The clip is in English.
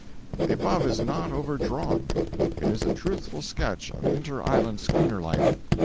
The above is not overdrawn; it is a truthful sketch of inter island schooner life.